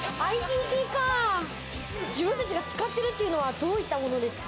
自分たちが使ってるっていうのは、どういったものですか？